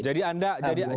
oke jadi anda jadi